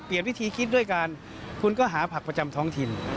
วิธีคิดด้วยกันคุณก็หาผักประจำท้องถิ่น